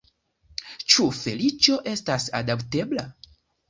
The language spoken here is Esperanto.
Ĉu feliĉo estas adaptebla?